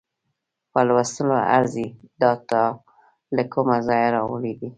په لوستلو ارزي، دا تا له کومه ځایه راوړې دي؟